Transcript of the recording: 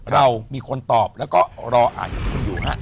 เรามีคนตอบแล้วก็รออ่านกับคุณอยู่ฮะ